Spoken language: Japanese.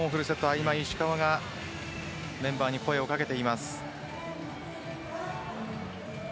今石川がメンバーに声を掛けています。